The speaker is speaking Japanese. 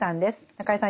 中江さん